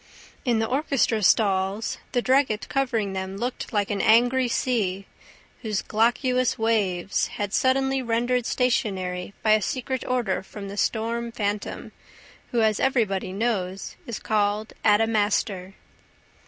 In the orchestra stalls, the drugget covering them looked like an angry sea, whose glaucous waves had been suddenly rendered stationary by a secret order from the storm phantom, who, as everybody knows, is called Adamastor.